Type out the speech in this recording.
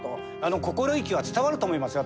心意気は伝わると思いますよ